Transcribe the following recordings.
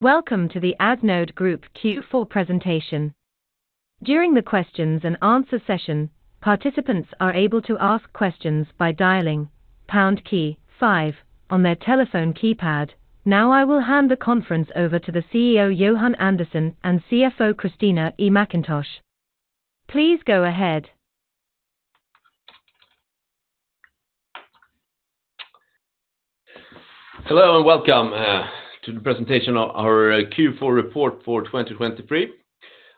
Welcome to the Addnode Group Q4 presentation. During the Q&A session, participants are able to ask questions by dialing pound key five on their telephone keypad. Now, I will hand the conference over to the CEO, Johan Andersson, and CFO, Kristina Elfström Mackintosh. Please go ahead. Hello, and welcome to the presentation of our Q4 report for 2023.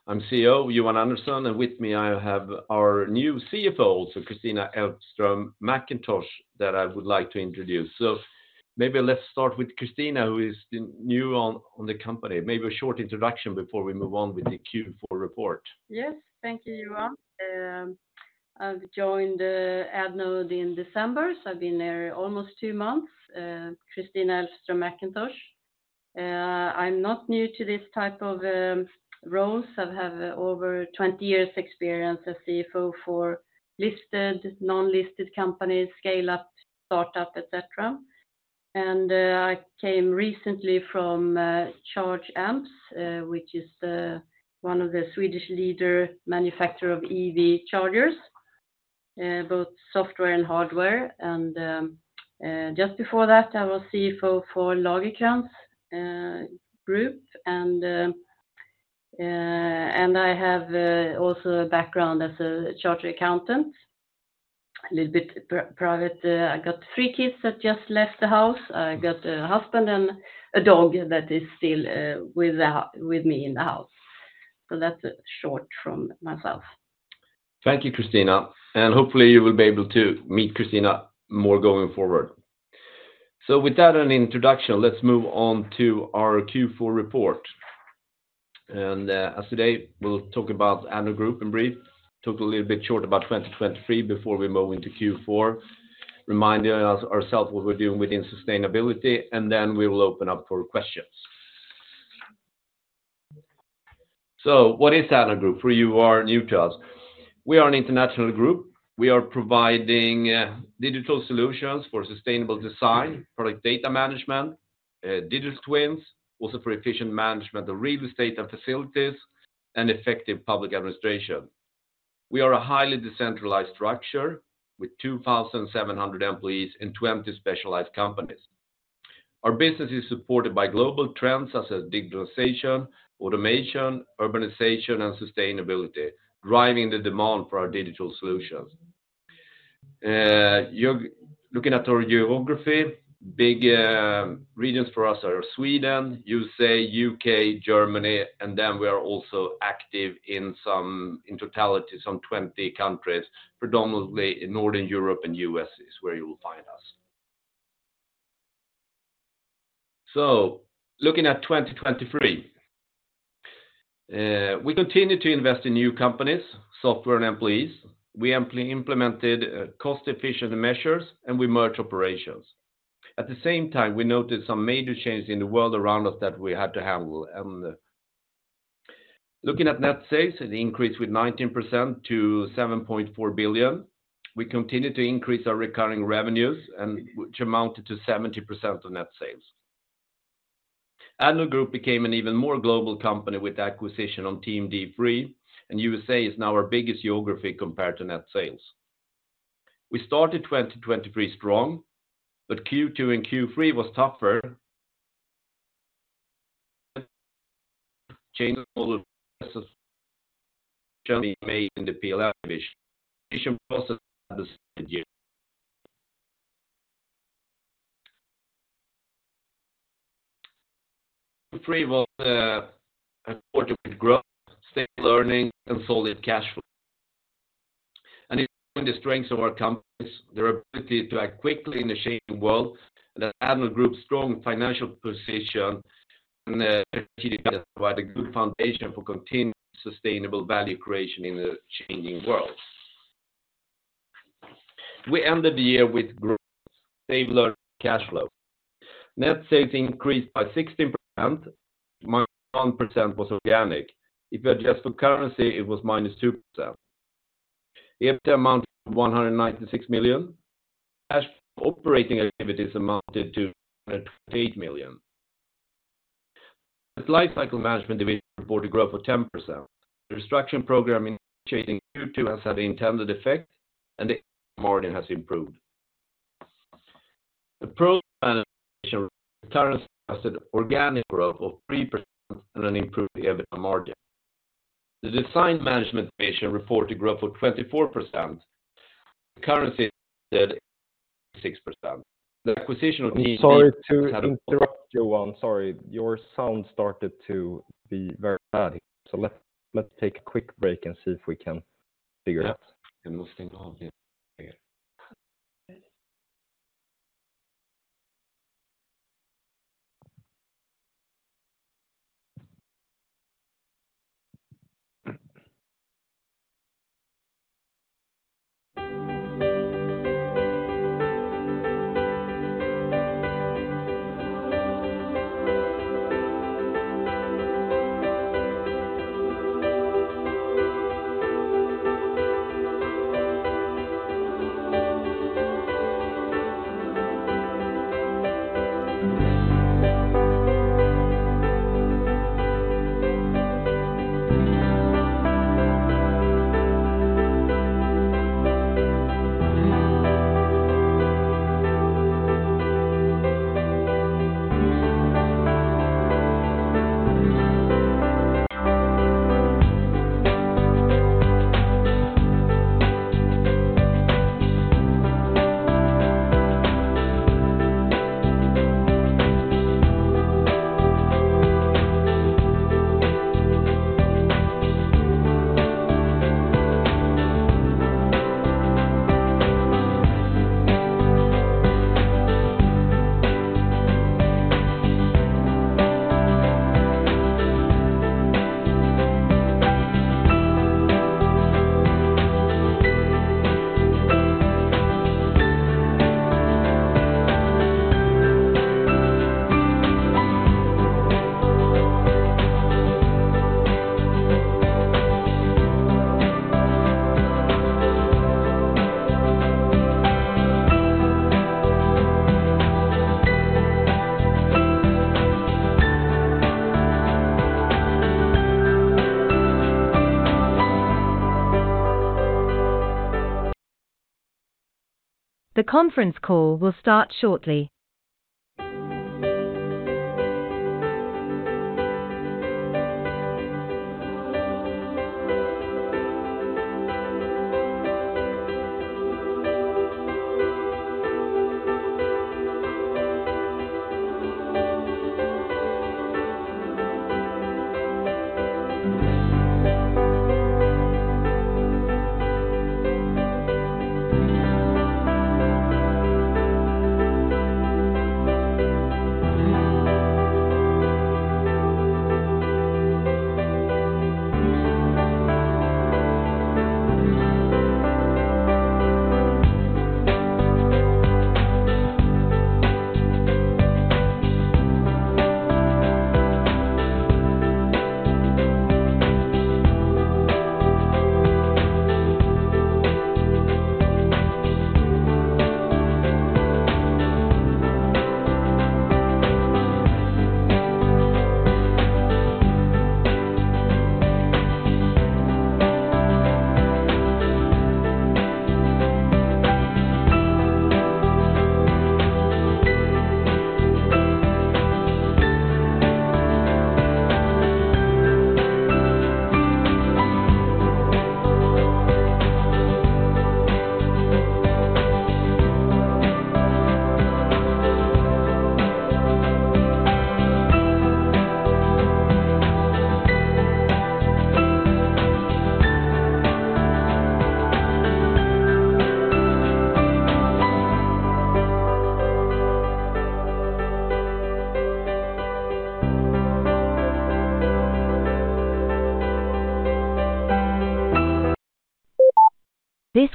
I'm CEO, Johan Andersson, and with me, I have our new CFO, also, Kristina Elfström Mackintosh, that I would like to introduce. So maybe let's start with Kristina, who is the new one on the company. Maybe a short introduction before we move on with the Q4 report. Yes. Thank you, Johan. I've joined Addnode in December, so I've been there almost two months. Kristina Elfström Mackintosh. I'm not new to this type of roles. I have over 20 years experience as CFO for listed, non-listed companies, scale-up, startup, et cetera. I came recently from Charge Amps, which is one of the Swedish leader manufacturer of EV chargers, both software and hardware. Just before that, I was CFO for Lagercrantz Group. I have also a background as a chartered accountant. A little bit private, I got three kids that just left the house. I got a husband and a dog that is still with me in the house. So that's it short from myself. Thank you, Kristina, and hopefully you will be able to meet Kristina more going forward. With that an introduction, let's move on to our Q4 report. And today, we'll talk about Addnode Group in brief, talk a little bit short about 2023 before we move into Q4, reminding us ourselves what we're doing within sustainability, and then we will open up for questions. So what is Addnode Group? For you who are new to us, we are an international group. We are providing digital solutions for sustainable design, product data management, digital twins, also for efficient management of real estate and facilities, and effective public administration. We are a highly decentralized structure with 2,700 employees in 20 specialized companies. Our business is supported by global trends such as digitalization, automation, urbanization, and sustainability, driving the demand for our digital solutions. You're looking at our geography, big regions for us are Sweden, USA, U.K., Germany, and then we are also active in some, in totality, some 20 countries, predominantly in Northern Europe and U.S. is where you will find us. So looking at 2023, we continued to invest in new companies, software and employees. We implemented cost-efficient measures, and we merged operations. At the same time, we noticed some major changes in the world around us that we had to handle. Looking at net sales, it increased with 19% to 7.4 billion. We continued to increase our recurring revenues, which amounted to 70% of net sales. Addnode Group became an even more global company with acquisition of Team D3, and USA is now our biggest geography compared to net sales. We started 2023 strong, but Q2 and Q3 was tougher... made in the PLM division. Q3 was a quarter with growth, stable earnings, and solid cash flow. The strengths of our companies, their ability to act quickly in a changing world, and that Addnode Group's strong financial position and the strategy provide a good foundation for continued sustainable value creation in a changing world. We ended the year with growth, stable earnings, cash flow. Net sales increased by 16%, -1% was organic. If you adjust for currency, it was -2%. EBITA amounted to 196 million. Cash flow from operating activities amounted to 228 million. The Lifecycle Management division reported growth of 10%. The restructuring program initiated in Q2 has had the intended effect, and the EBITA margin has improved. The [Product Data Management] had an organic growth of 3% and an improved EBITA margin. The Design Management division reported growth of 24%. The currency said 66%. The acquisition of- I'm sorry to interrupt, Johan. Sorry, your sound started to be very bad. So let's take a quick break and see if we can figure it out. The conference call will start shortly.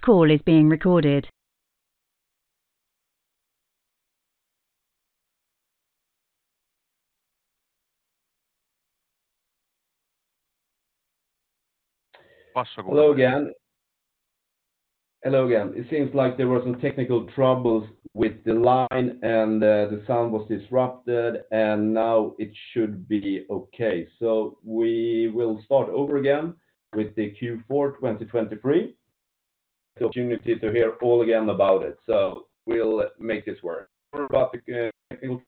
This call is being recorded. Hello again. Hello again. It seems like there were some technical troubles with the line, and the sound was disrupted, and now it should be okay. So we will start over again with the Q4 2023. The opportunity to hear all again about it, so we'll make this work. Sorry about the technical...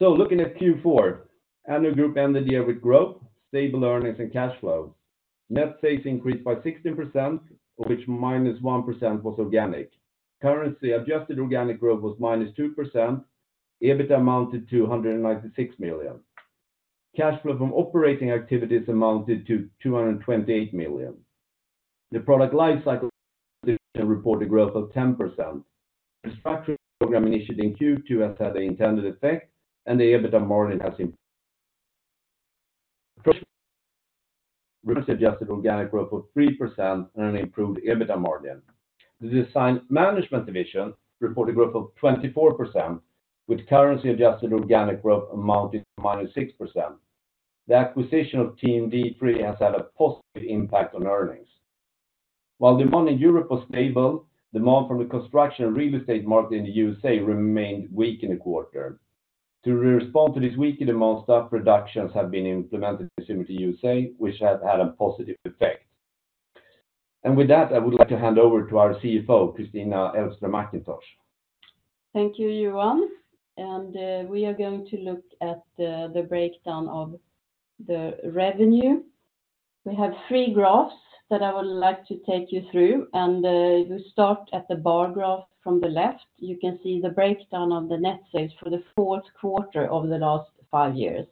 So looking at Q4, Addnode Group ended the year with growth, stable earnings, and cash flow. Net sales increased by 16%, of which -1% was organic. Currency-adjusted organic growth was -2%. EBITA amounted to 196 million. Cash flow from operating activities amounted to 228 million. The Product Lifecycle Management division reported growth of 10%. The structural program initiated in Q2 has had the intended effect, and the EBITA margin has improved. Adjusted organic growth of 3% and an improved EBITA margin. The Design Management Division reported growth of 24%, with currency-adjusted organic growth amounting to -6%. The acquisition of Team D3 has had a positive impact on earnings. While demand in Europe was stable, demand from the construction and real estate market in the USA remained weak in the quarter. To respond to this weaker demand, staff reductions have been implemented in the USA, which has had a positive effect. With that, I would like to hand over to our CFO, Kristina Elfström Mackintosh. Thank you, Johan, and we are going to look at the breakdown of the revenue. We have three graphs that I would like to take you through, and you start at the bar graph from the left, you can see the breakdown of the net sales for the fourth quarter over the last five years.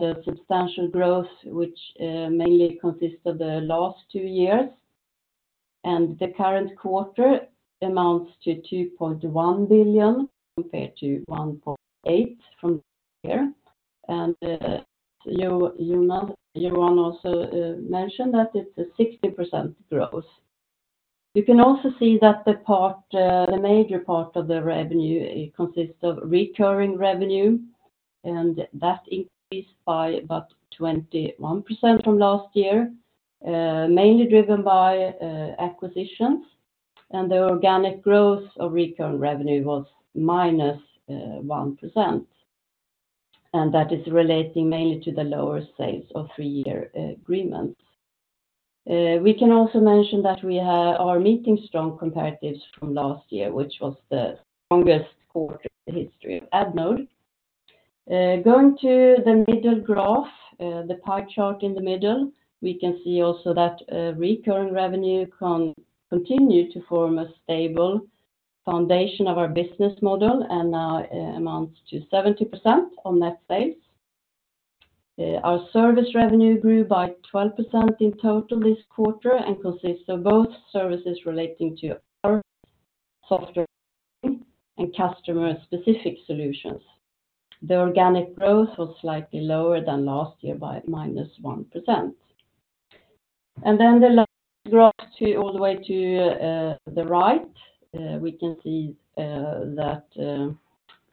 The substantial growth, which mainly consists of the last two years, and the current quarter amounts to 2.1 billion, compared to 1.8 billion from here. Johan also mentioned that it's a 60% growth. You can also see that the major part of the revenue consists of recurring revenue. That increased by about 21% from last year, mainly driven by acquisitions, and the organic growth of recurring revenue was -1%. That is relating mainly to the lower sales of three-year agreements. We can also mention that we are meeting strong comparatives from last year, which was the strongest quarter in the history of Addnode. Going to the middle graph, the pie chart in the middle, we can see also that recurring revenue continues to form a stable foundation of our business model and now amounts to 70% on net sales. Our service revenue grew by 12% in total this quarter and consists of both services relating to our software and customer-specific solutions. The organic growth was slightly lower than last year by -1%. Then the last graph all the way to the right, we can see that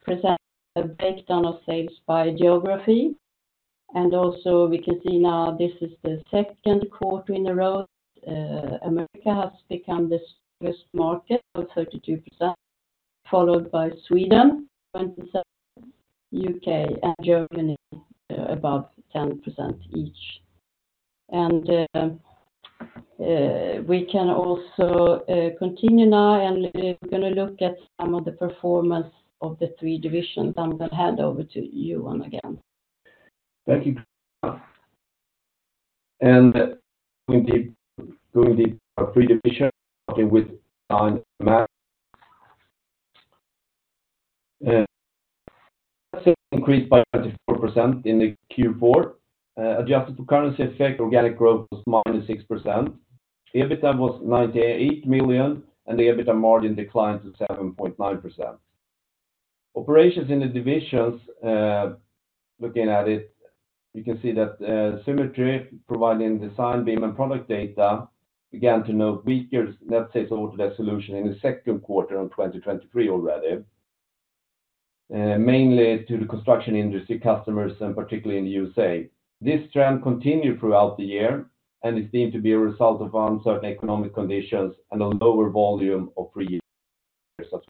presents a breakdown of sales by geography. And also, we can see now this is the second quarter in a row, America has become the first market of 32%, followed by Sweden, 27%, U.K., and Germany, above 10% each. We can also continue now, and we're gonna look at some of the performance of the three divisions. I'm going to hand over to you, Johan, again. Thank you. Going deep, our three divisions, starting with Design Management. Increased by 24% in the Q4. Adjusted to currency effect, organic growth was -6%. EBITA was 98 million, and the EBITA margin declined to 7.9%. Operations in the divisions, looking at it, you can see that, Symetri, providing design, BIM, and product data, began to note weaker net sales Autodesk solution in the second quarter of 2023 already, mainly to the construction industry customers, and particularly in the USA. This trend continued throughout the year, and is deemed to be a result of uncertain economic conditions and a lower volume of three-year subscriptions.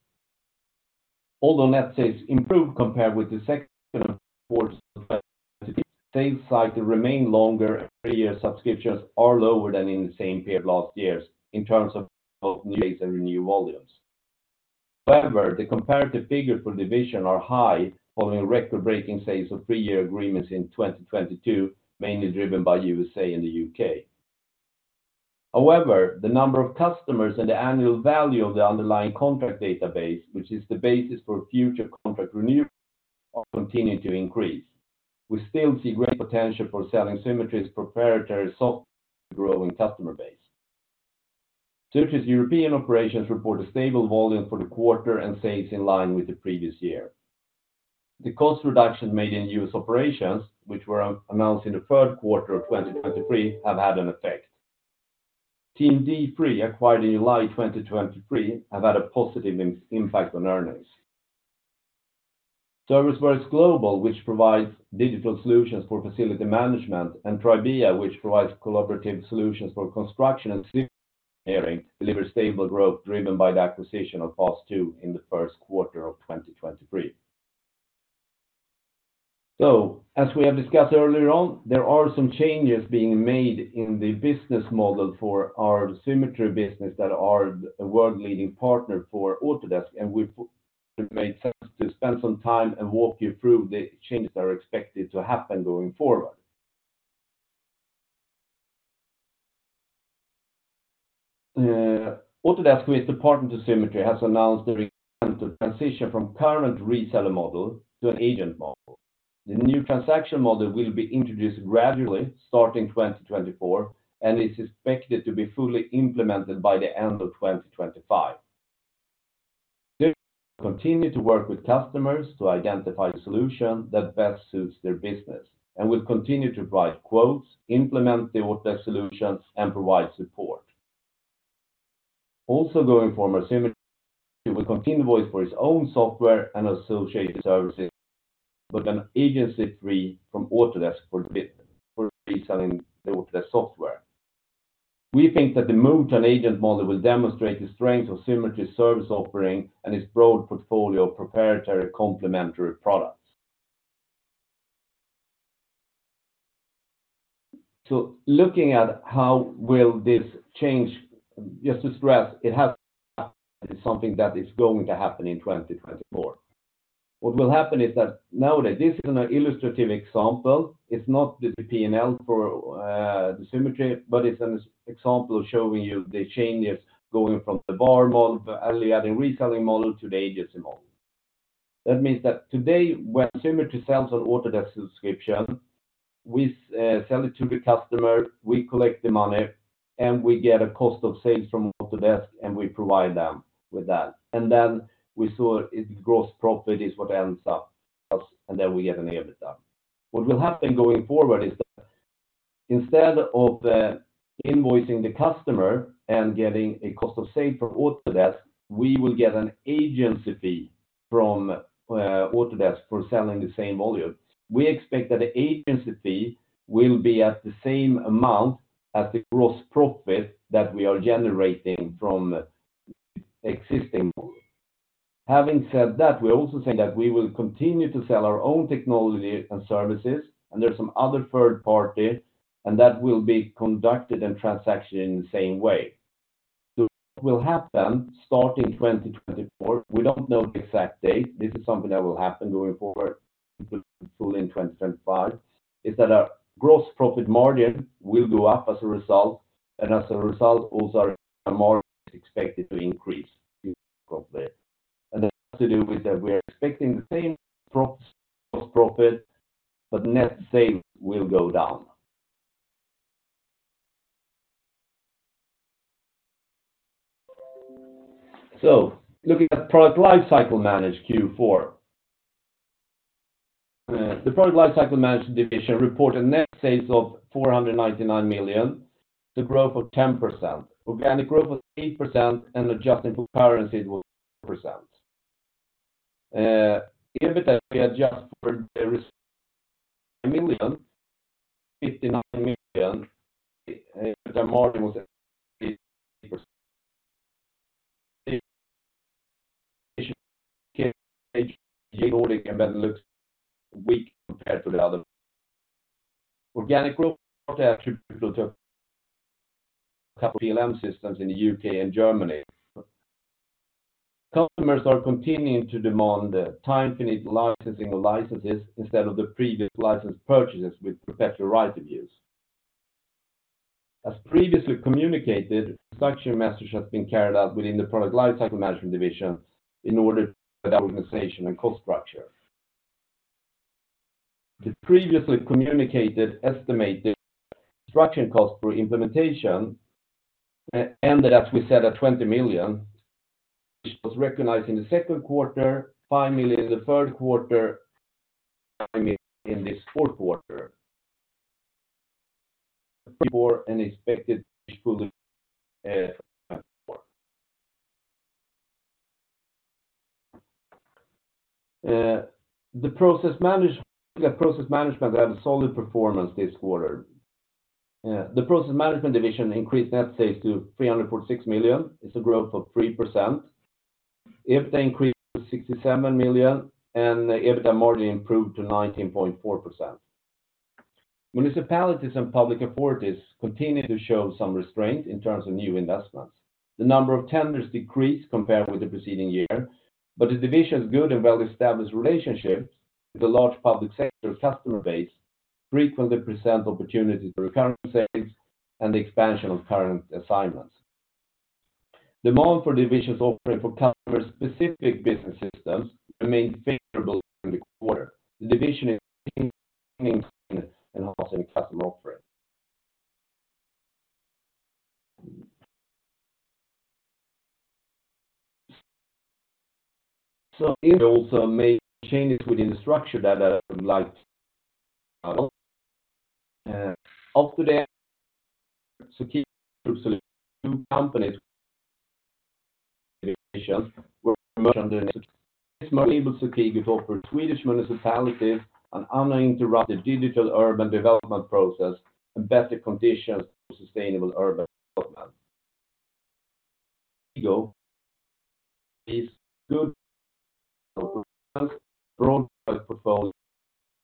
Although net sales improved compared with the second quarter, the sales cycle remained longer, and three-year subscriptions are lower than in the same period last years in terms of new rates and renew volumes. However, the comparative figures for division are high, following record-breaking sales of three-year agreements in 2022, mainly driven by USA and the U.K. However, the number of customers and the annual value of the underlying contract database, which is the basis for future contract renewals, are continuing to increase. We still see great potential for selling Symetri's proprietary software to growing customer base. U.S. and European Operations report a stable volume for the quarter and sales in line with the previous year. The cost reductions made in U.S. operations, which were announced in the third quarter of 2023, have had an effect. Team D3, acquired in July 2023, have had a positive impact on earnings. Service Works Global, which provides digital solutions for facility management, and Tribia, which provides collaborative solutions for construction and civil engineering, deliver stable growth driven by the acquisition of POS2 in the first quarter of 2023. So as we have discussed earlier on, there are some changes being made in the business model for our Symetri business that are a world-leading partner for Autodesk, and we've made sense to spend some time and walk you through the changes that are expected to happen going forward. Autodesk, with the partner to Symetri, has announced the transition from current reseller model to an agent model. The new transaction model will be introduced gradually, starting 2024, and is expected to be fully implemented by the end of 2025. We continue to work with customers to identify the solution that best suits their business, and we'll continue to provide quotes, implement the Autodesk solutions, and provide support. Also going forward, Symetri will continue to sell for its own software and associated services, but as an agent free from Autodesk for reselling the Autodesk software. We think that the move to an agent model will demonstrate the strength of Symetri's service offering and its broad portfolio of proprietary complementary products. So looking at how will this change, just to stress, it is something that is going to happen in 2024. What will happen is that nowadays, this is an illustrative example. It's not the P&L for the Symetri, but it's an example showing you the changes going from the VAR model, earlier the reselling model, to the agency model. That means that today, when Symetri sells an Autodesk subscription, we sell it to the customer, we collect the money, and we get a cost of sales from Autodesk, and we provide them with that. And then we saw its gross profit is what ends up, and then we get an EBITA. What will happen going forward is that instead of the invoicing the customer and getting a cost of sale for Autodesk, we will get an agency fee from Autodesk for selling the same volume. We expect that the agency fee will be at the same amount as the gross profit that we are generating from existing volume. Having said that, we are also saying that we will continue to sell our own technology and services, and there's some other third party, and that will be conducted and transacted in the same way. So, what will happen, starting 2024, we don't know the exact date, this is something that will happen going forward, fully in 2025, is that our gross profit margin will go up as a result, and as a result, also our margin is expected to increase profit. And that has to do with that we are expecting the same gross profit, but net sales will go down. So looking at Product Lifecycle Management Q4. The Product Lifecycle Management division reported net sales of 499 million, 10% growth. Organic growth was 8%, and adjusting for currency it was 2%. EBITA, we adjust for the million, SEK 59 million, EBITA margin was at 3%. Looks weak compared to the other. Organic growth attributed to PLM systems in the U.K. and Germany. Customers are continuing to demand time-finite licensing of licenses instead of the previous license purchases with perpetual right of use. As previously communicated, structure message has been carried out within the Product Lifecycle Management division in order for the organization and cost structure. The previously communicated estimated structure cost for implementation ended, as we said, at 20 million, which was recognized in the second quarter, 5 million in the third quarter, and in this fourth quarter. For an expected the Process Management had a solid performance this quarter. The Process Management division increased net sales to 346 million. It's a growth of 3%. EBITA increased to 67 million, and the EBITA margin improved to 19.4%. Municipalities and public authorities continue to show some restraint in terms of new investments. The number of tenders decreased compared with the preceding year, but the division's good and well-established relationships with a large public sector customer base frequently present opportunities for recurrent sales and the expansion of current assignments. Demand for divisions offering for customer-specific business systems remained favorable during the quarter. The division is and also a custom offering. So we also made changes within the structure that I would like to... Autodesk, two companies, were merged under a single entity for Swedish municipalities, an uninterrupted digital urban development process, and better conditions for sustainable urban development. It's good broad proposal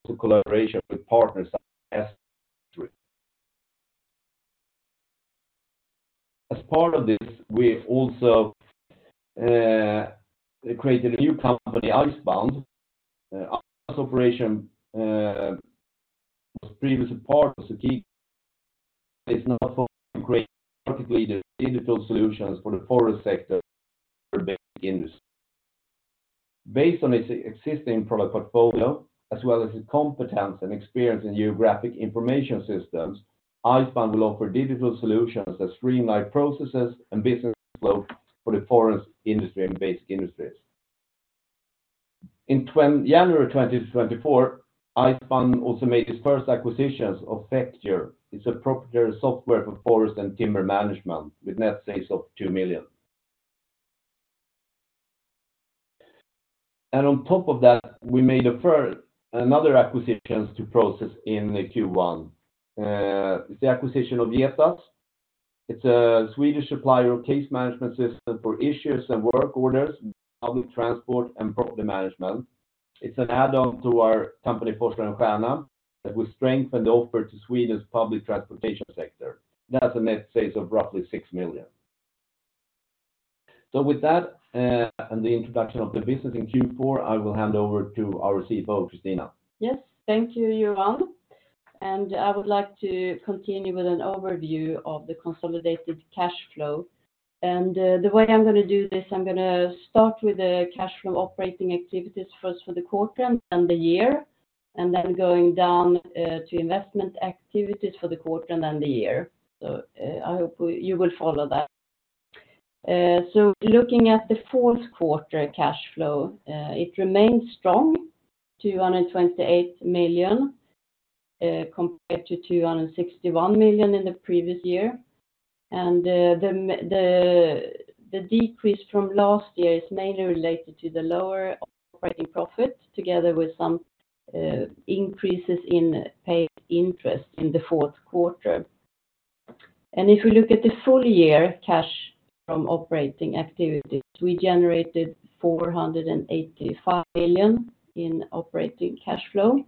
for collaboration with partners as three. As part of this, we also created a new company, Icebound. Its operation was previously part of Technia, is now creating practically the digital solutions for the forest sector-based industry. Based on its existing product portfolio, as well as its competence and experience in geographic information systems, Icebound will offer digital solutions that streamline processes and business flows for the forest industry and based industries. In January 2024, Icebound also made its first acquisition of Efficture. It's a proprietary software for forest and timber management, with net sales of 2 million. And on top of that, we made a first, another acquisition to process in the Q1. The acquisition of Jetas, it's a Swedish supplier of case management system for issues and work orders, public transport and property management. It's an add-on to our company, Forsler & Stjerna, that will strengthen the offer to Sweden's public transportation sector. That's a net sales of roughly 6 million. So with that, and the introduction of the business in Q4, I will hand over to our CFO, Kristina. Yes, thank you, Johan, and I would like to continue with an overview of the consolidated cash flow. The way I'm going to do this, I'm going to start with the cash flow operating activities, first for the quarter and the year, and then going down to investment activities for the quarter and then the year. So, I hope you will follow that. So looking at the fourth quarter cash flow, it remains strong, 228 million, compared to 261 million in the previous year. And, the decrease from last year is mainly related to the lower operating profit, together with some increases in paid interest in the fourth quarter. If you look at the full year cash from operating activities, we generated 485 million in operating cash flow,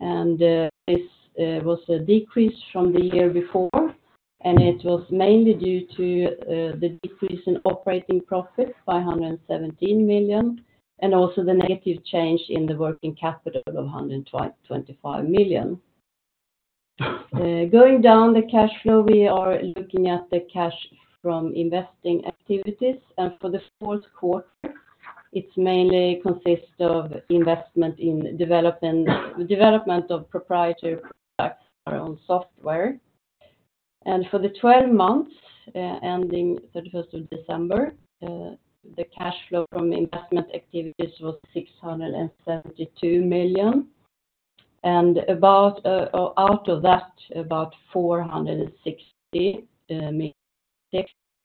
and this was a decrease from the year before, and it was mainly due to the decrease in operating profit by 117 million, and also the negative change in the working capital of 125 million. Going down the cash flow, we are looking at the cash from investing activities. For the fourth quarter, it's mainly consisted of investment in development, the development of proprietary products around software. For the 12 months ending December 31st, the cash flow from investment activities was 672 million. About out of that, 460 million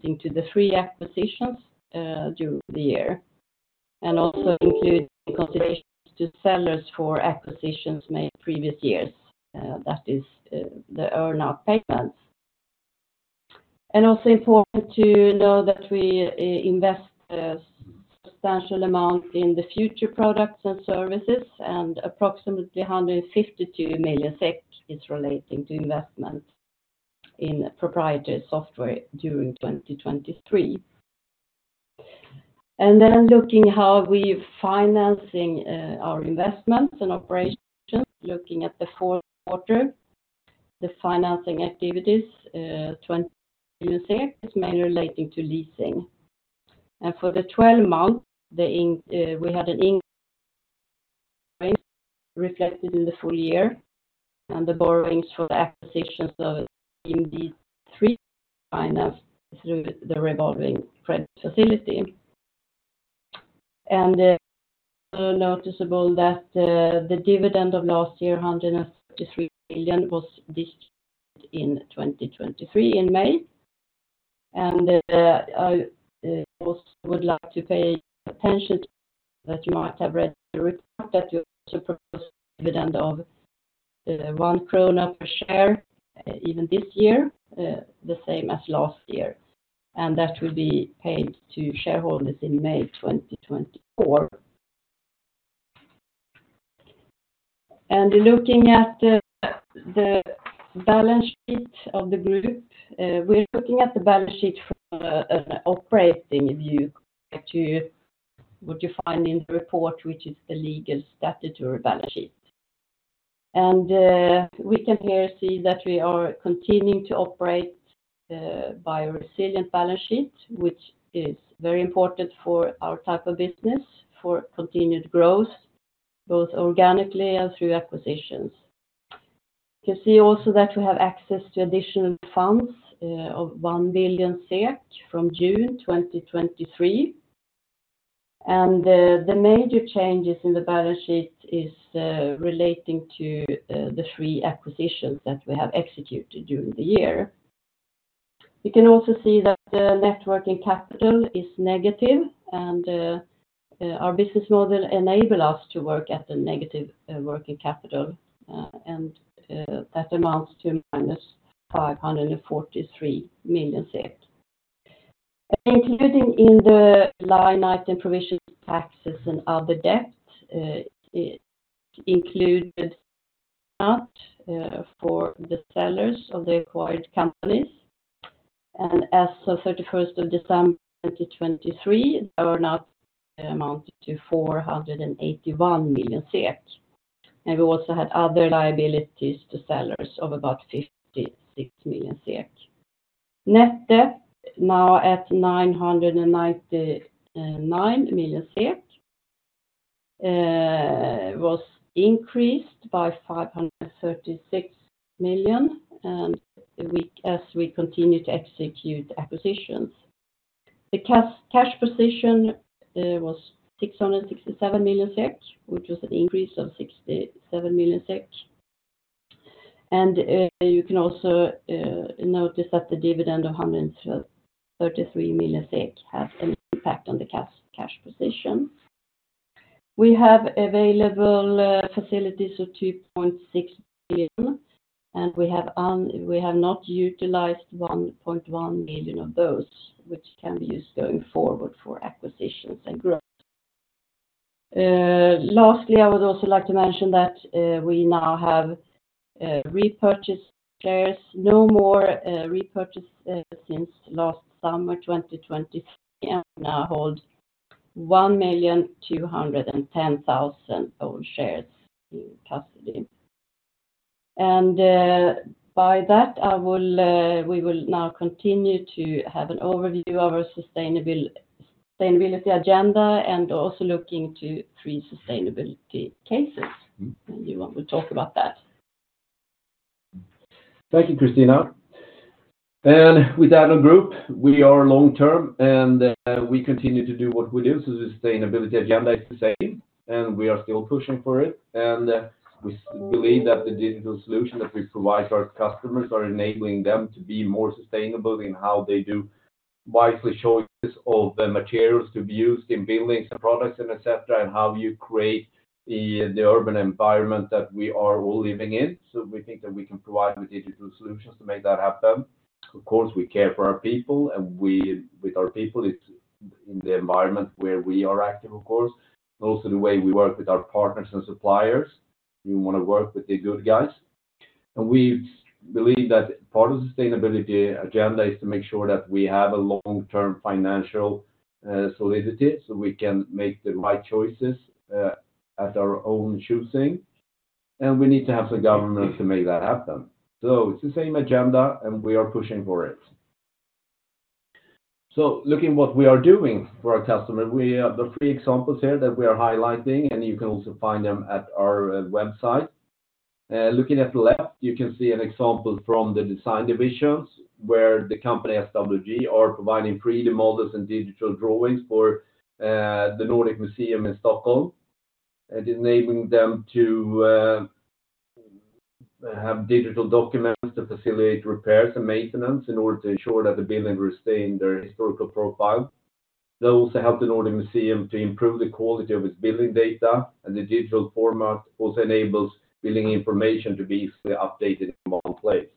into the three acquisitions during the year, and also include considerations to sellers for acquisitions made in previous years. That is the earn-out payments. Also important to know that we invest a substantial amount in the future products and services, and approximately 152 million SEK is relating to investment in proprietary software during 2023. Then looking how we're financing our investments and operations, looking at the fourth quarter, the financing activities, 20 million is mainly relating to leasing. For the 12 months, we had an increase reflected in the full year, and the borrowings for the acquisitions of Team D3 financed through the revolving credit facility. Noticeable that the dividend of last year, 153 million, was distributed in May 2023. I also would like to pay attention that you might have read the report that you propose a dividend of 1 krona per share, even this year, the same as last year, and that will be paid to shareholders in May 2024. Looking at the balance sheet of the group, we're looking at the balance sheet from an operating view to what you find in the report, which is the legal statutory balance sheet. We can here see that we are continuing to operate by a resilient balance sheet, which is very important for our type of business, for continued growth, both organically and through acquisitions. You can see also that we have access to additional funds of 1 billion from June 2023. And the major changes in the balance sheet is relating to the three acquisitions that we have executed during the year. You can also see that the net working capital is negative, and our business model enable us to work at a negative working capital, and that amounts to -543 million. Including in the line-item provision, taxes, and other debt, it includes the earn-outs for the sellers of the acquired companies. And as of December 31st, 2023, earn-out amounted to 481 million SEK. And we also had other liabilities to sellers of about 56 million SEK. Net debt now at 999 million SEK was increased by 536 million, as we continue to execute acquisitions. The cash position was 667 million SEK, which was an increase of 67 million SEK. And you can also notice that the dividend of 133 million SEK has an impact on the cash position. We have available facilities of 2.6 billion, and we have not utilized 1.1 billion of those, which can be used going forward for acquisitions and growth. Lastly, I would also like to mention that we now have repurchased shares. No more repurchase since last summer, 2023, and now hold 1,210,000 own shares in custody. By that, we will now continue to have an overview of our sustainability agenda and also looking to three sustainability cases. You want to talk about that?... Thank you, Kristina. With Addnode Group, we are long-term, and we continue to do what we do. So the sustainability agenda is the same, and we are still pushing for it. And we believe that the digital solutions that we provide to our customers are enabling them to be more sustainable in how they do wise choices of the materials to be used in buildings and products, et cetera, and how you create the urban environment that we are all living in. So we think that we can provide the digital solutions to make that happen. Of course, we care for our people, and with our people, it's in the environment where we are active, of course. Also, the way we work with our partners and suppliers, we want to work with the good guys. We believe that part of the sustainability agenda is to make sure that we have a long-term financial solidity, so we can make the right choices at our own choosing, and we need to have the government to make that happen. It's the same agenda, and we are pushing for it. Looking what we are doing for our customer, we have the three examples here that we are highlighting, and you can also find them at our website. Looking at the left, you can see an example from the design divisions, where the company SWG are providing 3D models and digital drawings for the Nordic Museum in Stockholm, and enabling them to have digital documents to facilitate repairs and maintenance in order to ensure that the building will stay in their historical profile. They also help the Nordic Museum to improve the quality of its building data, and the digital format also enables building information to be easily updated in one place.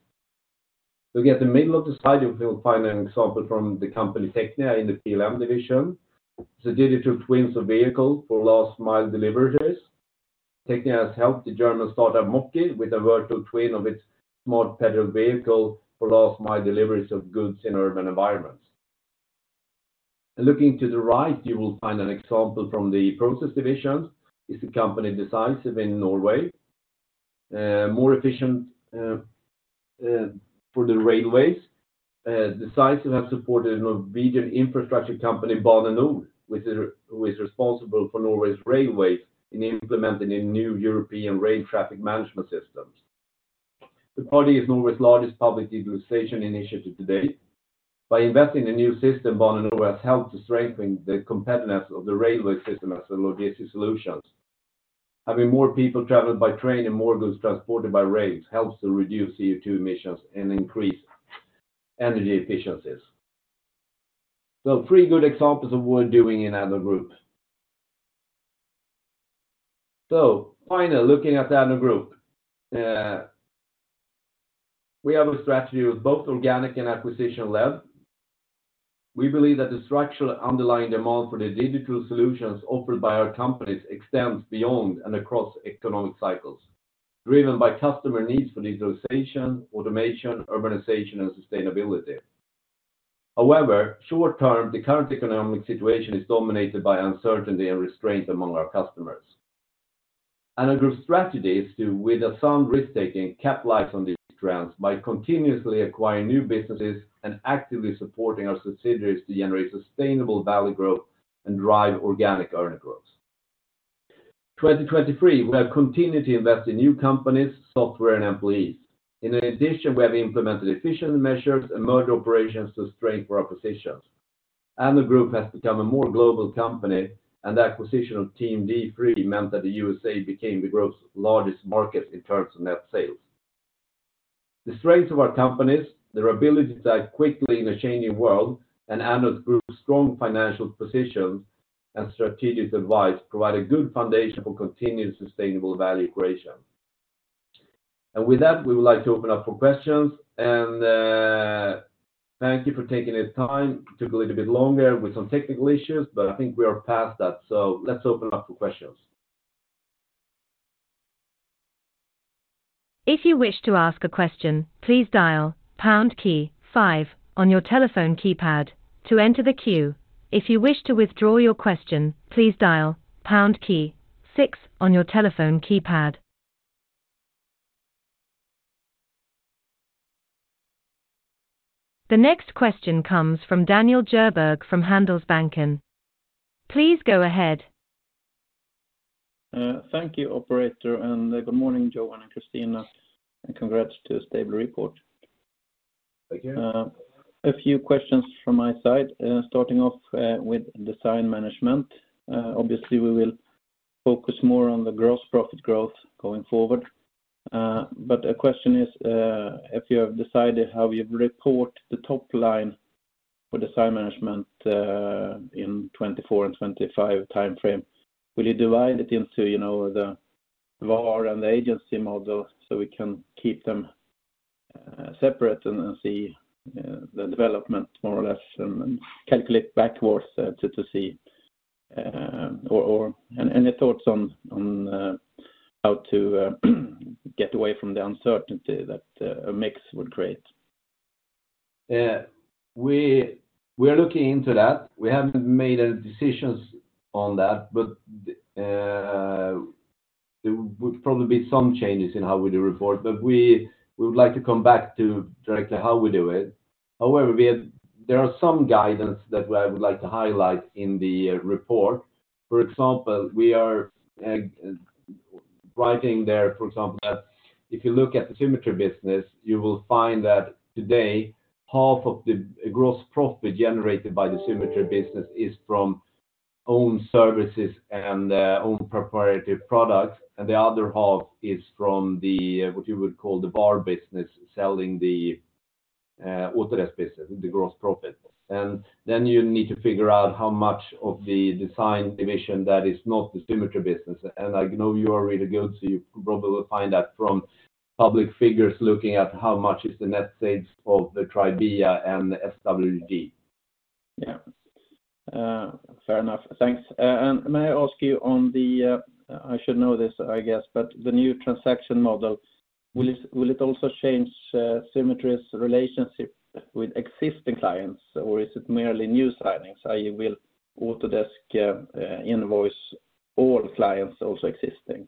Looking at the middle of the slide, you will find an example from the company, Technia, in the PLM division. It's a digital twins of vehicle for last mile deliveries. Technia has helped the German startup, Mocci, with a virtual twin of its small pedal vehicle for last mile deliveries of goods in urban environments. Looking to the right, you will find an example from the process division, is a company Decisive in Norway. More efficient for the railways. Decisive have supported a Norwegian infrastructure company, Bane NOR, which is responsible for Norway's railways in implementing a new European rail traffic management system. That is Norway's largest public digitalization initiative to date. By investing in a new system, Bane NOR has helped to strengthen the competitiveness of the railway system as a logistics solution. Having more people travel by train and more goods transported by rail helps to reduce CO2 emissions and increase energy efficiency. So, three good examples of what we're doing in Addnode Group. So finally, looking at Addnode Group, we have a strategy with both organic and acquisition led. We believe that the structural underlying demand for the digital solutions offered by our companies extends beyond and across economic cycles, driven by customer needs for digitalization, automation, urbanization, and sustainability. However, short-term, the current economic situation is dominated by uncertainty and restraint among our customers. Addnode Group's strategy is to, with a sound risk-taking, capitalize on these trends by continuously acquiring new businesses and actively supporting our subsidiaries to generate sustainable value growth and drive organic earnings growth. 2023, we have continued to invest in new companies, software, and employees. In addition, we have implemented efficiency measures and merger operations to strengthen our positions. Addnode Group has become a more global company, and the acquisition of Team D3 meant that the U.S. became the group's largest market in terms of net sales. The strength of our companies, their ability to act quickly in a changing world, and Addnode Group's strong financial position and strategic advice, provide a good foundation for continued sustainable value creation. And with that, we would like to open up for questions, and thank you for taking this time. Took a little bit longer with some technical issues, but I think we are past that, so let's open up for questions. If you wish to ask a question, please dial pound key five on your telephone keypad to enter the queue. If you wish to withdraw your question, please dial pound key six on your telephone keypad. The next question comes from Daniel Djurberg from Handelsbanken. Please go ahead. Thank you, operator, and good morning, Johan and Kristina, and congrats to a stable report. Thank you. A few questions from my side, starting off, with Design Management. Obviously, we will focus more on the gross profit growth going forward. But a question is, if you have decided how you report the top line for Design Management, in 2024 and 2025 time frame, will you divide it into, you know, the VAR and the agency model, so we can keep them, separate and, and see, the development more or less, and calculate backwards, to, to see, or, and any thoughts on, on, how to, get away from the uncertainty that, a mix would create? Yeah, we are looking into that. We haven't made any decisions on that, but there would probably be some changes in how we do report, but we would like to come back to directly how we do it. However, there are some guidance that I would like to highlight in the report. For example, we are writing there, for example, that if you look at the Symetri business, you will find that today, half of the gross profit generated by the Symetri business is from own services and own proprietary products, and the other half is from the what you would call the VAR business, selling the Autodesk business, the gross profit. And then you need to figure out how much of the design division that is not the Symetri business. I know you are really good, so you probably will find that from public figures, looking at how much is the net sales of the Tribia and the SWG. Yeah. Fair enough. Thanks. And may I ask you on the, I should know this, I guess, but the new transaction model, will it also change Symetri's relationship with existing clients, or is it merely new signings? Autodesk will invoice all clients, also existing.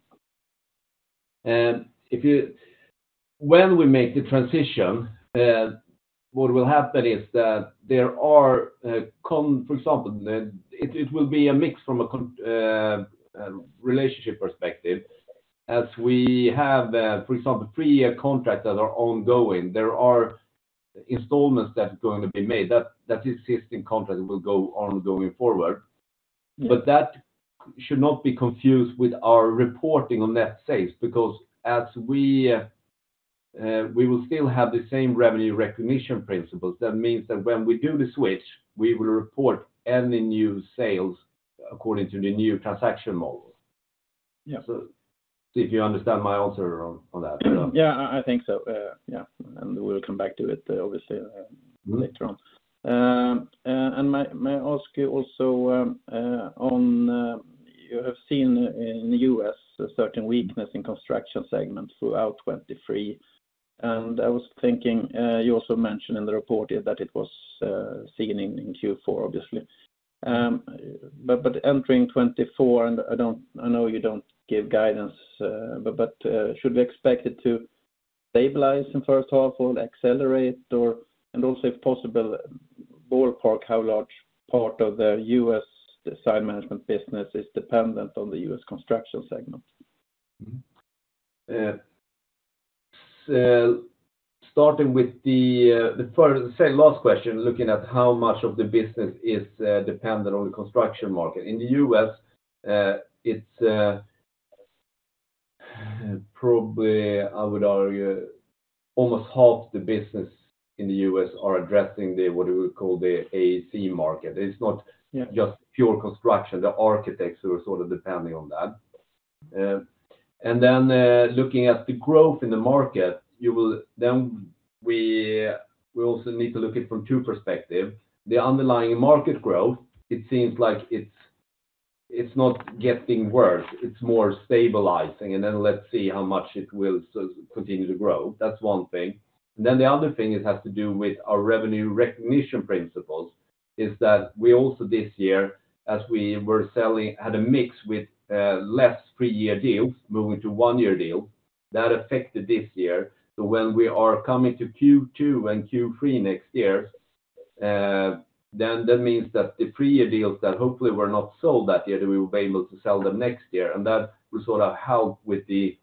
If, when we make the transition, what will happen is that there are, for example, it will be a mix from a relationship perspective. As we have, for example, three-year contracts that are ongoing, there are installments that are going to be made, that existing contract will go on going forward. But that should not be confused with our reporting on net sales, because as we, we will still have the same revenue recognition principles, that means that when we do the switch, we will report any new sales according to the new transaction model. Yeah. Did you understand my answer on that? Yeah, I, I think so. Yeah, and we'll come back to it, obviously, later on. May, may I ask you also, on, you have seen in the U.S., a certain weakness in construction segment throughout 2023, and I was thinking, you also mentioned in the report that it was, seen in, in Q4, obviously. But, but entering 2024, and I don't- I know you don't give guidance, but, but, should we expect it to stabilize in first half or accelerate? Or, and also, if possible, ballpark, how large part of the U.S. design management business is dependent on the U.S. construction segment? Mm-hmm. Starting with the, the first, say, last question, looking at how much of the business is dependent on the construction market. In the U.S., it's probably, I would argue, almost half the business in the U.S. are addressing the, what we would call the AEC market. It's not- Yeah... just pure construction, the architects who are sort of depending on that. And then, looking at the growth in the market, then we also need to look at it from two perspectives. The underlying market growth, it seems like it's not getting worse, it's more stabilizing, and then let's see how much it will continue to grow. That's one thing. And then the other thing, it has to do with our revenue recognition principles, is that we also this year, as we were selling, had a mix with less three-year deals, moving to one-year deals. That affected this year. So when we are coming to Q2 and Q3 next year, then that means that the three-year deals that hopefully were not sold that year, that we will be able to sell them next year, and that will sort of help with the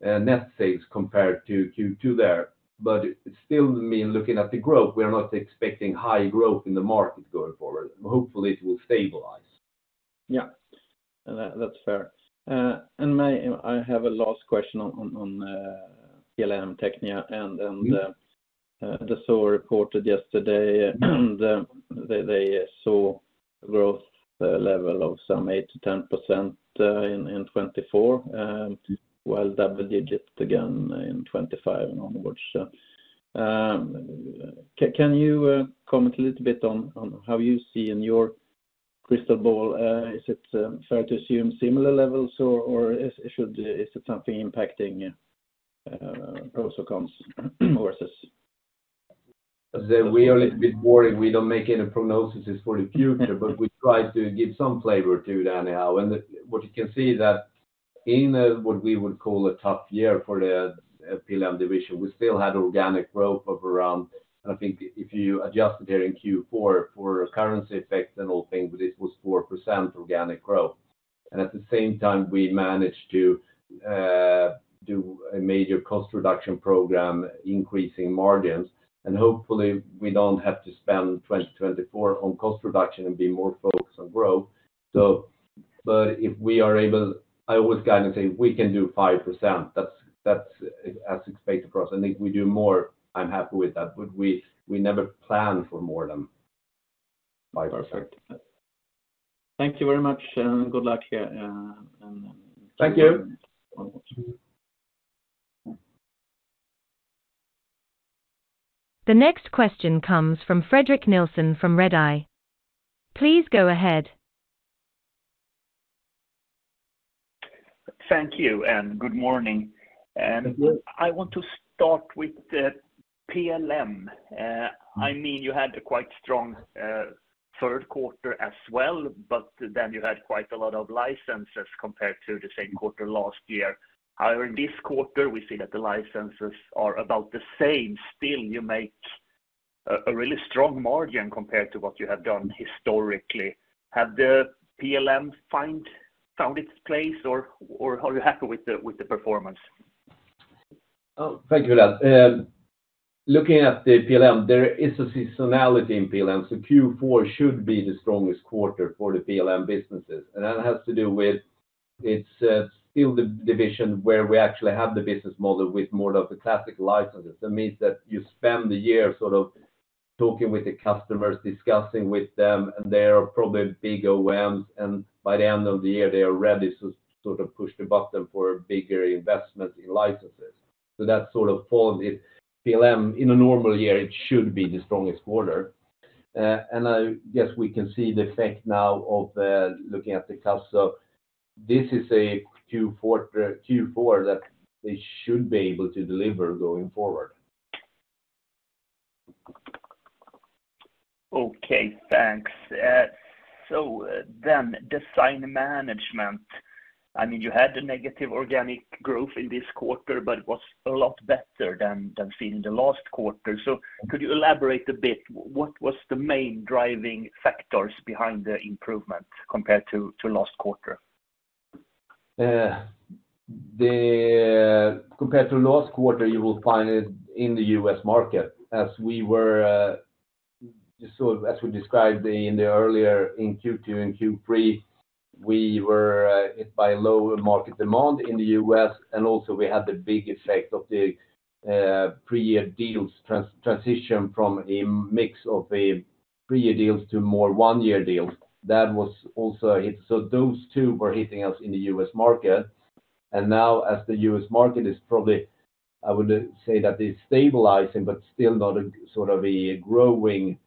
net sales compared to Q2 there. But it still mean, looking at the growth, we are not expecting high growth in the market going forward. Hopefully, it will stabilize. Yeah, that, that's fair. And may I have a last question on PLM Technia, and then Dassault reported yesterday, and they saw growth level of some 8%-10% in 2024, while double-digit again in 2025 and onwards. Can you comment a little bit on how you see in your crystal ball, is it fair to assume similar levels, or is it should, is it something impacting also comes versus? As we are a little bit worried, we don't make any prognosis for the future, but we try to give some flavor to that anyhow. And what you can see that in a, what we would call a tough year for the PLM division, we still had organic growth of around, I think if you adjust it there in Q4 for currency effects and all things, it was 4% organic growth. And at the same time, we managed to do a major cost reduction program, increasing margins, and hopefully, we don't have to spend 2024 on cost reduction and be more focused on growth. So, but if we are able, I always kind of say we can do 5%. That's, that's as expected for us. I think we do more, I'm happy with that, but we, we never plan for more than 5%. Perfect. Thank you very much, and good luck here, and- Thank you! The next question comes from Fredrik Nilsson from Redeye. Please go ahead. Thank you, and good morning. Good morning. I want to start with the PLM. I mean, you had a quite strong third quarter as well, but then you had quite a lot of licenses compared to the same quarter last year. However, in this quarter, we see that the licenses are about the same. Still, you make a really strong margin compared to what you have done historically. Have the PLM found its place, or are you happy with the performance? Oh, thank you for that. Looking at the PLM, there is a seasonality in PLM, so Q4 should be the strongest quarter for the PLM businesses. And that has to do with, it's, still the division where we actually have the business model with more of the classic licenses. That means that you spend the year sort of talking with the customers, discussing with them, and they are probably big OMs, and by the end of the year, they are ready to sort of push the button for a bigger investment in licenses. So that sort of form, the PLM, in a normal year, it should be the strongest quarter. And I guess we can see the effect now of, looking at the cusp. So, this is a Q4, Q4 that they should be able to deliver going forward. Okay, thanks. So then Design Management, I mean, you had the negative organic growth in this quarter, but it was a lot better than in the last quarter. So could you elaborate a bit, what was the main driving factors behind the improvement compared to last quarter? Compared to last quarter, you will find it in the U.S. market, as we were, sort of as we described in the earlier in Q2 and Q3, we were hit by low market demand in the U.S., and also we had the big effect of the, pre-year deals transition from a mix of a pre-year deals to more one-year deals. That was also a hit. So those two were hitting us in the U.S. market. And now, as the U.S. market is probably, I would say that it's stabilizing, but still not a sort of a growing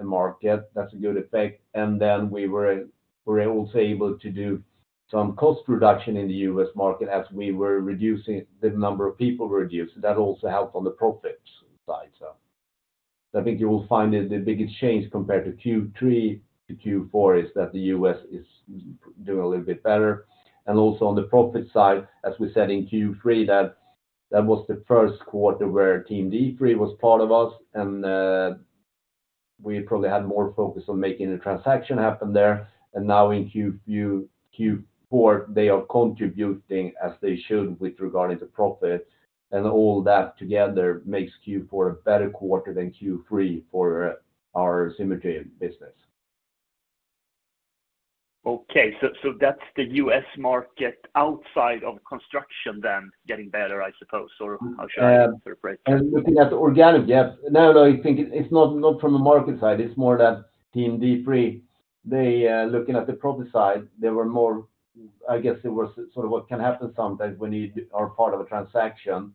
market, that's a good effect. And then we were, we're also able to do some cost reduction in the U.S. market as we were reducing the number of people reduced. That also helped on the profit side. I think you will find that the biggest change compared to Q3 to Q4 is that the U.S. is doing a little bit better. And also on the profit side, as we said in Q3, that was the first quarter where Team D3 was part of us, and we probably had more focus on making the transaction happen there. And now in Q4, they are contributing as they should with regard to profit. And all that together makes Q4 a better quarter than Q3 for our Symetri business. Okay, so that's the U.S. market outside of construction then getting better, I suppose, or how should I interpret? And looking at the organic, yes. No, no, I think it's not, not from the market side, it's more that Team D3, they, looking at the profit side, they were more, I guess it was sort of what can happen sometimes when you are part of a transaction,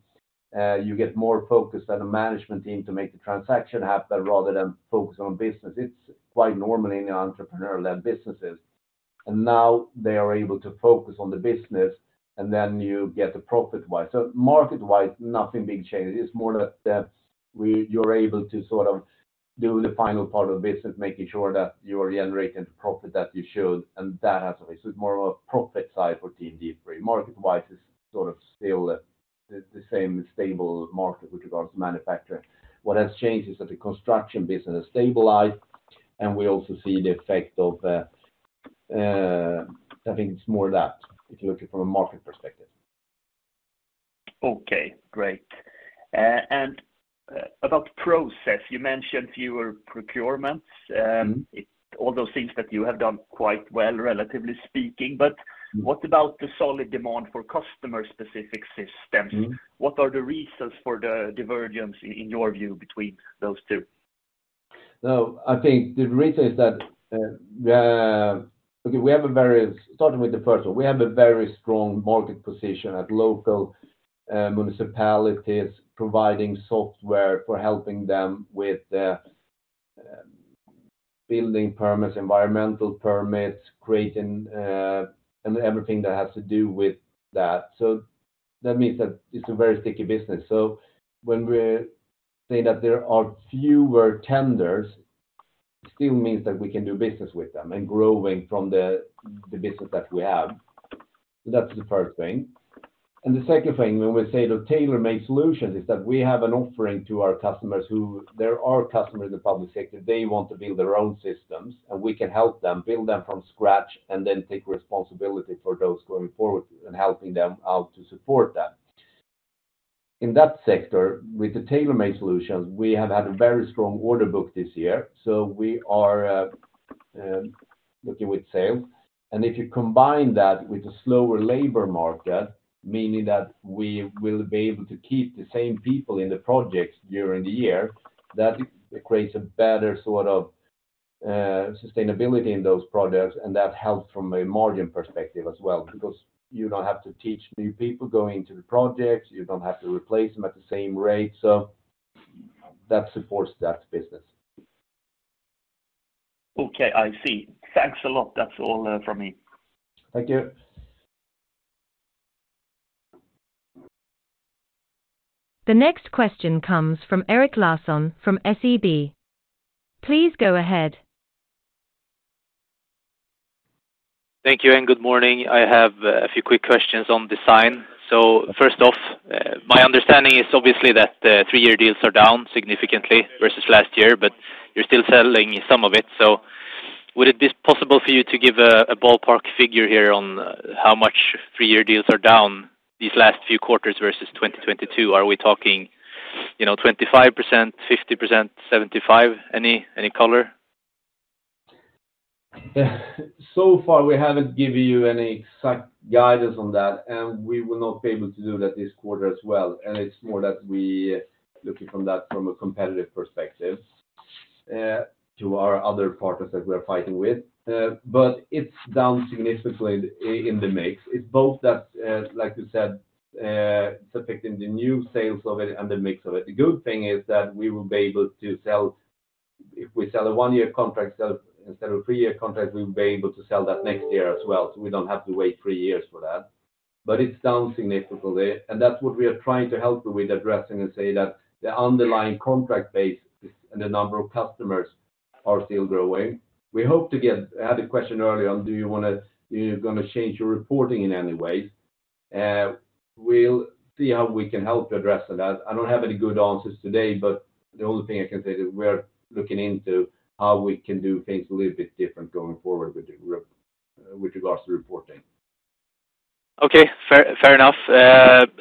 you get more focused on the management team to make the transaction happen rather than focus on business. It's quite normal in entrepreneurial-led businesses. And now they are able to focus on the business, and then you get the profit-wise. So market-wise, nothing being changed. It's more that, that you're able to sort of do the final part of the business, making sure that you are generating the profit that you should, and that has, it's more of a profit side for Team D3. Market-wise, it's sort of still the same stable market with regards to manufacturer. What has changed is that the construction business has stabilized, and we also see the effect of, I think it's more that, if you look it from a market perspective. Okay, great. And, about process, you mentioned fewer procurements. Mm-hmm. All those things that you have done quite well, relatively speaking. Mm-hmm. But what about the solid demand for customer-specific systems? Mm-hmm. What are the reasons for the divergence in your view between those two? So I think the reason is that, okay, we have a very, starting with the first one, we have a very strong market position at local municipalities, providing software for helping them with, building permits, environmental permits, creating, and everything that has to do with that. So that means that it's a very sticky business. So when we're saying that there are fewer tenders, it still means that we can do business with them and growing from the business that we have. So that's the first thing. And the second thing, when we say the tailor-made solution, is that we have an offering to our customers who, there are customers in the public sector, they want to build their own systems, and we can help them build them from scratch and then take responsibility for those going forward and helping them out to support that. In that sector, with the tailor-made solutions, we have had a very strong order book this year, so we are looking with sales. And if you combine that with a slower labor market, meaning that we will be able to keep the same people in the projects during the year, that creates a better sort of, sustainability in those projects, and that helps from a margin perspective as well, because you don't have to teach new people going into the projects, you don't have to replace them at the same rate. So that supports that business. Okay, I see. Thanks a lot. That's all from me. Thank you.... The next question comes from Erik Larsson from SEB. Please go ahead. Thank you, and good morning. I have a few quick questions on design. So first off, my understanding is obviously that the three-year deals are down significantly versus last year, but you're still selling some of it. So would it be possible for you to give a ballpark figure here on how much three-year deals are down these last few quarters versus 2022? Are we talking, you know, 25%, 50%, 75%? Any color? Yeah. So far, we haven't given you any exact guidance on that, and we will not be able to do that this quarter as well. It's more that we looking from a competitive perspective to our other partners that we're fighting with. But it's down significantly in the mix. It's both that, like you said, affecting the new sales of it and the mix of it. The good thing is that we will be able to sell. If we sell a one-year contract sale instead of a three-year contract, we will be able to sell that next year as well, so we don't have to wait three years for that. It's down significantly, and that's what we are trying to help with addressing and say that the underlying contract base and the number of customers are still growing. We hope to get, I had a question earlier on, do you want to, are you gonna change your reporting in any way? We'll see how we can help to address that. I don't have any good answers today, but the only thing I can say is we're looking into how we can do things a little bit different going forward with regards to reporting. Okay, fair enough.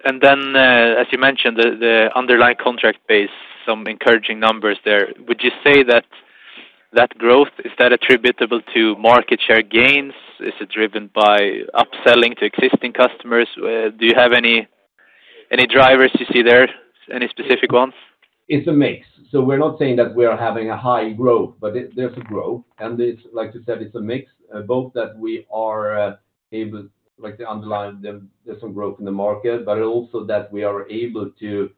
And then, as you mentioned, the underlying contract base, some encouraging numbers there. Would you say that growth is attributable to market share gains? Is it driven by upselling to existing customers? Do you have any drivers you see there, any specific ones? It's a mix. So we're not saying that we are having a high growth, but there's a growth, and it's like you said, it's a mix, both that we are able, like the underlying, there's some growth in the market, but also that we are able to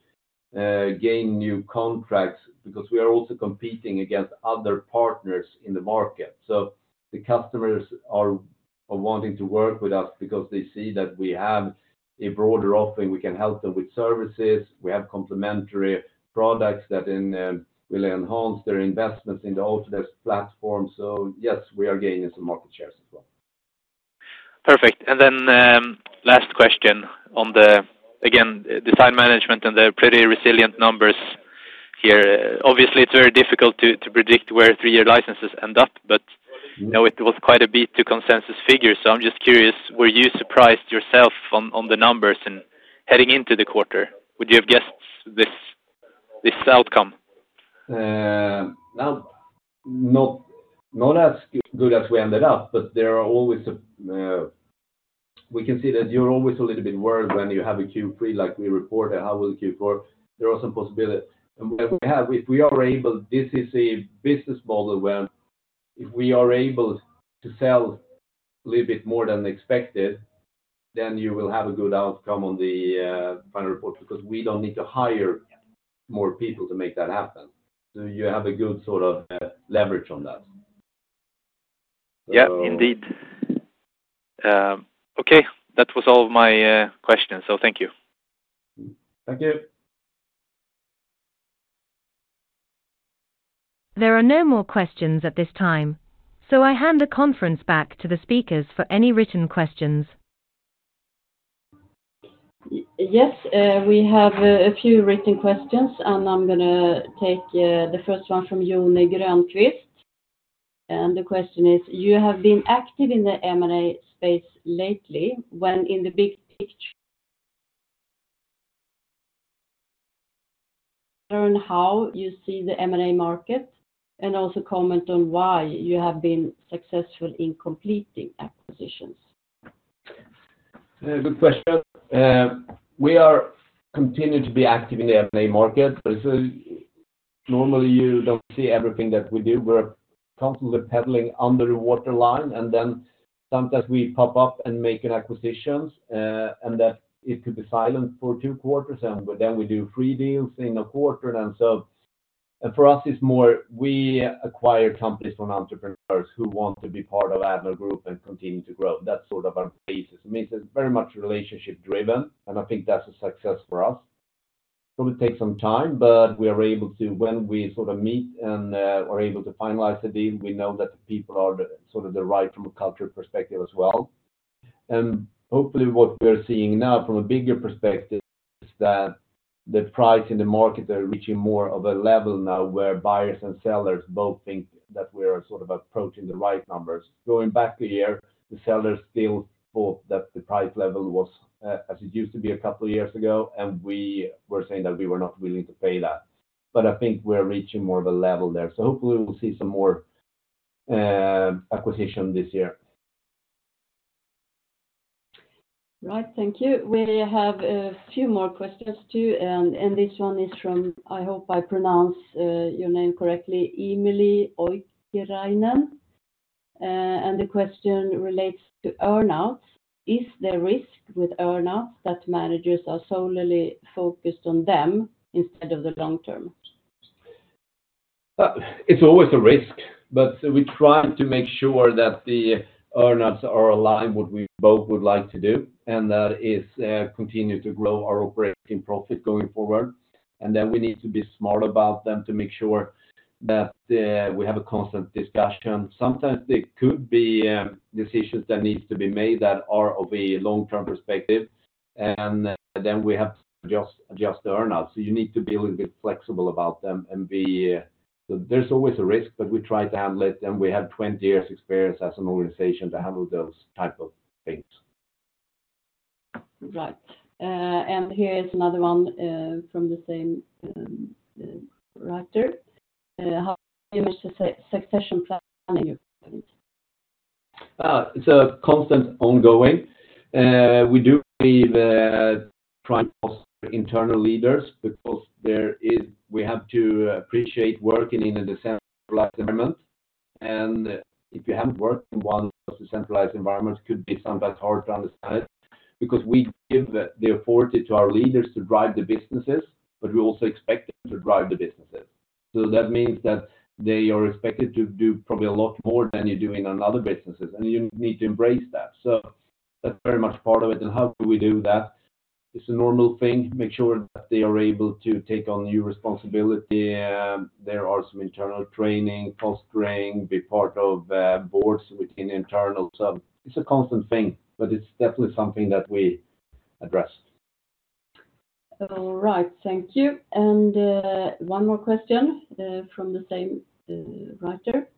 gain new contracts because we are also competing against other partners in the market. So the customers are wanting to work with us because they see that we have a broader offering. We can help them with services, we have complementary products that in will enhance their investments in the Autodesk platform. So yes, we are gaining some market shares as well. Perfect. And then, last question on the, again, Design Management and the pretty resilient numbers here. Obviously, it's very difficult to predict where three-year licenses end up, but, you know, it was quite a beat to consensus figures. So I'm just curious, were you surprised yourself on the numbers and heading into the quarter, would you have guessed this outcome? Not as good as we ended up, but there are always, we can see that you're always a little bit worried when you have a Q3 like we reported. How will Q4? There are some possibilities. And we have, if we are able, this is a business model where if we are able to sell a little bit more than expected, then you will have a good outcome on the final report, because we don't need to hire more people to make that happen. So you have a good sort of leverage on that. Yeah, indeed. Okay, that was all of my questions, so thank you. Thank you. There are no more questions at this time, so I hand the conference back to the speakers for any written questions. Yes, we have a few written questions, and I'm gonna take the first one from Joni Grönqvist. And the question is, you have been active in the M&A space lately, when in the big picture... On how you see the M&A market, and also comment on why you have been successful in completing acquisitions. Good question. We are continuing to be active in the M&A market, but so normally you don't see everything that we do. We're constantly pedaling under the waterline, and then sometimes we pop up and make acquisitions, and that it could be silent for two quarters, and then we do three deals in a quarter. And so for us, it's more we acquire companies from entrepreneurs who want to be part of Addnode Group and continue to grow. That's sort of our basis. It means it's very much relationship driven, and I think that's a success for us. So it takes some time, but we are able to, when we sort of meet and, are able to finalize the deal, we know that the people are the, sort of the right from a culture perspective as well. Hopefully, what we're seeing now from a bigger perspective is that the price in the market are reaching more of a level now, where buyers and sellers both think that we're sort of approaching the right numbers. Going back a year, the sellers still thought that the price level was, as it used to be a couple of years ago, and we were saying that we were not willing to pay that. But I think we're reaching more of a level there, so hopefully we'll see some more, acquisition this year. Right. Thank you. We have a few more questions, too, and this one is from, I hope I pronounce your name correctly, Emelie Oikarinen. And the question relates to earnouts. Is there risk with earnout that managers are solely focused on them instead of the long term? It's always a risk, but we try to make sure that the earnouts are aligned what we both would like to do, and that is, continue to grow our operating profit going forward. And then we need to be smart about them to make sure that, we have a constant discussion. Sometimes there could be, decisions that needs to be made that are of a long-term perspective, and then we have to just adjust the earnout. So you need to be a little bit flexible about them and be, there's always a risk, but we try to handle it, and we have 20 years experience as an organization to handle those type of things. Right. And here is another one from the same writer. How much is the succession planning you have? It's a constant ongoing. We do believe trying internal leaders, because we have to appreciate working in a decentralized environment. And if you haven't worked in one of those decentralized environments, could be sometimes hard to understand, because we give the, the authority to our leaders to drive the businesses, but we also expect them to drive the businesses. So that means that they are expected to do probably a lot more than you're doing on other businesses, and you need to embrace that. So that's very much part of it. And how do we do that? It's a normal thing, make sure that they are able to take on new responsibility, there are some internal training, cross-training, be part of, boards within internal. So it's a constant thing, but it's definitely something that we address. All right, thank you. And, one more question, from the same, writer.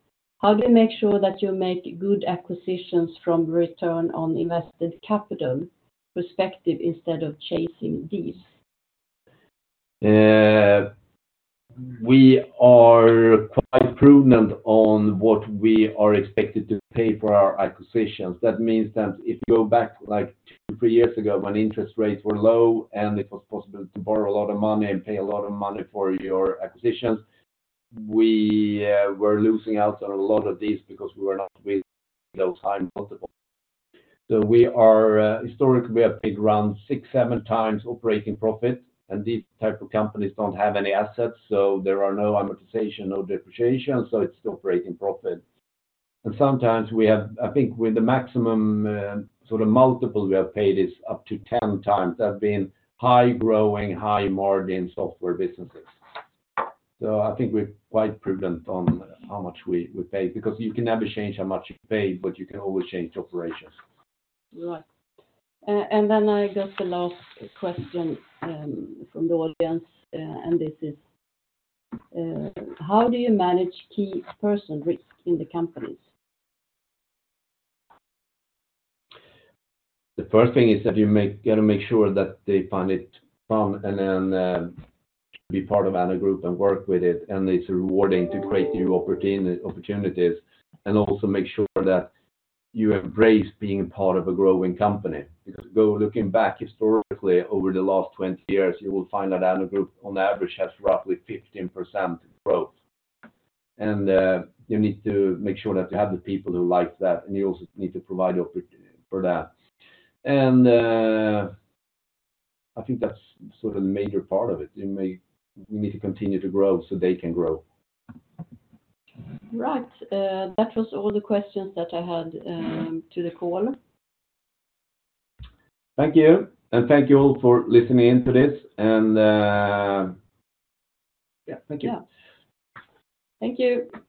How do you make sure that you make good acquisitions from return on invested capital perspective instead of chasing deals? We are quite prudent on what we are expected to pay for our acquisitions. That means that if you go back, like, two-three years ago, when interest rates were low, and it was possible to borrow a lot of money and pay a lot of money for your acquisitions, we were losing out on a lot of these because we were not with those high multiples. So we are, historically, we have paid around 6x-7x operating profit, and these type of companies don't have any assets, so there are no amortization, no depreciation, so it's operating profit. Sometimes we have—I think with the maximum, sort of multiple we have paid is up to 10x, that have been high-growing, high-margin software businesses. I think we're quite prudent on how much we pay, because you can never change how much you pay, but you can always change operations. Right. And then I got the last question from the audience, and this is: How do you manage key person risk in the companies? The first thing is that you've got to make sure that they find it fun, and then be part of Addnode Group and work with it, and it's rewarding to create new opportunities, and also make sure that you embrace being part of a growing company. Because, going back historically, over the last 20 years, you will find that Addnode Group, on average, has roughly 15% growth. And you need to make sure that you have the people who like that, and you also need to provide opportunities for that. And I think that's sort of the major part of it. We need to continue to grow so they can grow. Right. That was all the questions that I had to the call. Thank you, and thank you all for listening in to this, and, yeah, thank you. Yeah. Thank you!